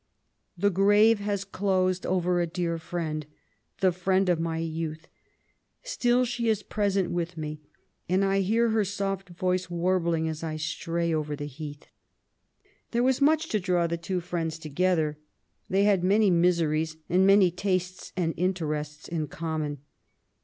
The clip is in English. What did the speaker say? The grave has closed over a dear friend, the friend of my youth ; still she is present with me, and I hear her «oft voice warbling as I stray over the heath." There was much to draw the two friends together. They had many miseries and many tastes and interests in common.